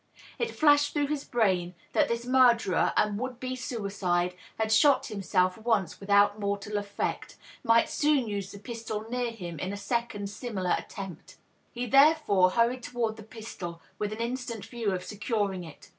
It flashed through his brain that this murderer and would be suicide^ who had shot himself once without mortal effect, might soon use the pistol near him in a second similar attempt. He therefore hurried toward the pistol, with an instant view of securing it.